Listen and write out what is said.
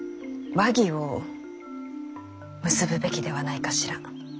和議を結ぶべきではないかしら？